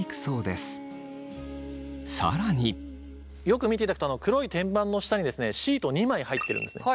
よく見ていただくと黒い天板の下にシート２枚入ってるんですね。